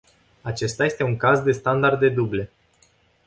Acesta este un caz de standarde duble.